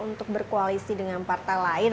untuk berkoalisi dengan partai lain